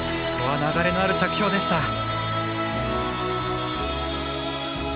流れのある着氷でした。